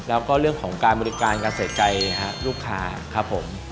แล้วก็เรื่องของการบริการการใส่ใจลูกค้าครับผม